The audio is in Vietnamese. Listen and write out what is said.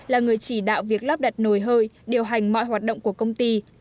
là người chỉ đạo việc lắp đặt nồi hơi điều hành mọi hoạt động của công ty